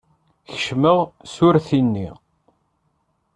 Keccmeɣ s urti-nni.